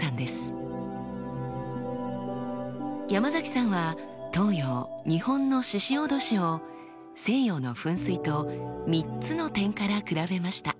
山崎さんは東洋日本の鹿おどしを西洋の噴水と３つの点から比べました。